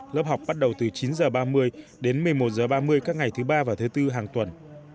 lớp học bắt đầu từ chín h ba mươi đến một mươi một h ba mươi các ngày thứ ba và thứ tư hàng tuần